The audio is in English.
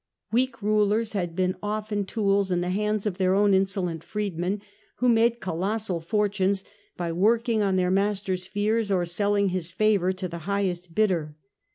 Weak rulers had been often tools in the hands of their own insolent freedmen, who made colossal fortunes by working on their master^s fears or selling his favour to the highest bidder.